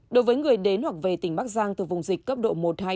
đối với người đến hoặc về tỉnh bắc giang từ vùng dịch cấp độ một hai